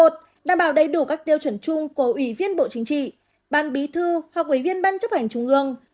đảm bảo đầy đủ các tiêu chuẩn chung của ủy viên bộ chính trị ban bí thư hoặc ủy viên ban chấp hành trung ương